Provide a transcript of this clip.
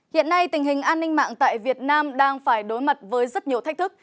hiện nay tình hình an ninh mạng tại việt nam đang phải đối mặt với rất nhiều thách thức